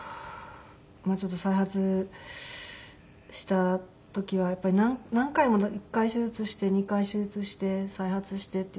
ちょっと再発した時はやっぱり何回も１回手術して２回手術して再発してっていう感じだったので